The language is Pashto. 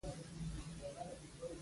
ورزش مو د زړه له ناروغیو ساتي.